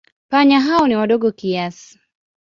Panya hao ni wadogo kiasi.